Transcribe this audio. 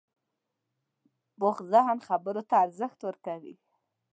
پوخ ذهن خبرو ته ارزښت ورکوي